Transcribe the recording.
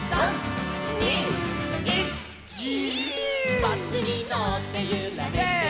「バスにのってゆられてる」